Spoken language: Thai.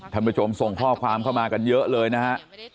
ท่านผู้ชมส่งข้อความเข้ามากันเยอะเลยนะฮะ